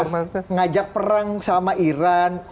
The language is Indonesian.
mas ngajak perang sama iran